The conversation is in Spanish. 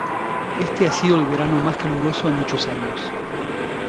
Este ha sido el verano más caluroso en muchos años.